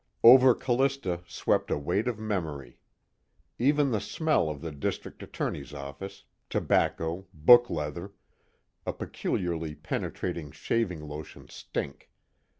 Over Callista swept a weight of memory. Even the smell of the District Attorney's office tobacco, book leather, a peculiarly penetrating shaving lotion stink.